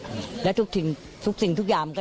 ชื่อเล่นน้องจูฉายาเจ้าหนูมหัศจรรย์เพราะอะไรครับ